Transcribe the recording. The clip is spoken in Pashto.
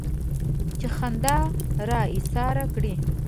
چې خندا را ايساره کړي.